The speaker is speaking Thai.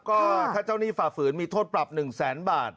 ก็ถ้าเจ้าหนี้ฝ่าฝืนมีโทษปรับ๑แสนบาท